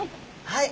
はい。